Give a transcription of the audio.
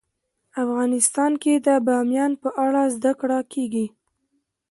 افغانستان کې د بامیان په اړه زده کړه کېږي.